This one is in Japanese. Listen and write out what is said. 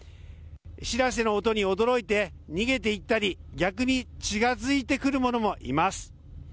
しらせの音に驚いて逃げていったり逆に近づいてくるものもいます。